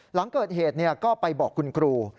หลังเกิดเหตุก็ไปบอกคุณครู